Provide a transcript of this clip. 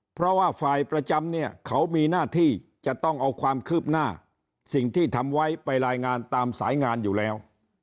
เพราะว่าฝ่ายประจำเนี่ยเขามีหน้าที่จะต้องเอาความคืบหน้าสิ่งที่ทำไว้ไปรายงานตามสายงานอยู่แล้ว